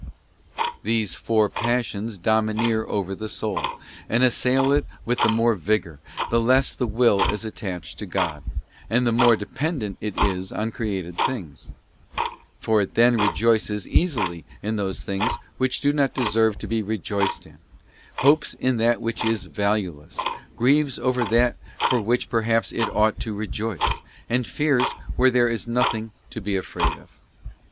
These four Passions domineer over the soul, and assail it with the more vigour, the less the will is attached to God, and the more dependent it is on created things; for it then rejoices easily in those things which do not deserve to be rejoiced in, hopes in that which is valueless, grieves over that for which perhaps it ought to rejoice, and fears where there is nothing to be afraid of.